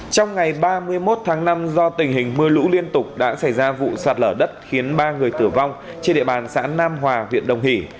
trong ngày ba mươi một tháng năm do tình hình mưa lũ liên tục đã xảy ra vụ sạt lở đất khiến ba người tử vong trên địa bàn xã nam hòa huyện đồng hỷ